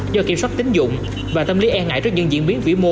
do kiểm soát tính dụng và tâm lý e ngại trước những diễn biến vĩ mô